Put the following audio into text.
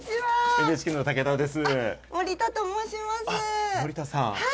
ＮＨＫの武田です。